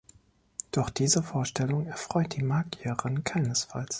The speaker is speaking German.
Doch diese Vorstellung erfreut die Magierin keinesfalls.